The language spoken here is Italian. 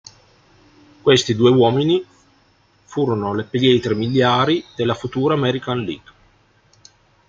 Questi due uomini furono le pietre miliari della futura American League.